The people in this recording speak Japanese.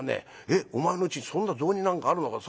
『えっお前のうちそんな雑煮なんかあるのか』。